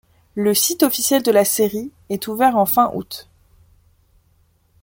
Le site officiel de la série est ouvert en fin août.